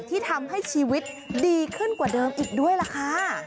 ที่ทำให้ชีวิตดีขึ้นกว่าเดิมอีกด้วยล่ะค่ะ